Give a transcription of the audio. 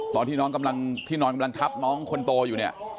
ตอนที่นอนกำลังทับน้องคนโตอยู่เนี่ย